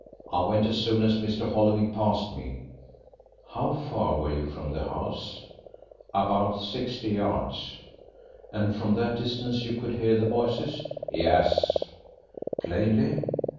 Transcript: "I went as soon as Mr. Holymead passed me." "How far were you from the house?" "About sixty yards." "And from that distance you could hear the voices?" "Yes." "Plainly?"